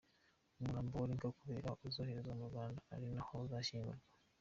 Umurambo wa Lynker Kabera uzoherezwa mu Rwanda ari naho uzashyingurwa.